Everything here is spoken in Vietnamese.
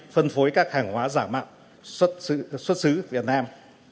phân phối các hàng hóa giả mạo xuất xứ việt nam